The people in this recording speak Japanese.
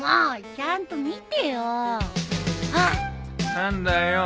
何だよ。